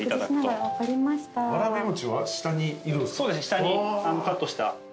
下にカットした。